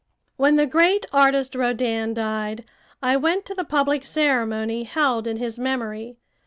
When the great artist Rodin died, I went to the public ceremony held in his memory.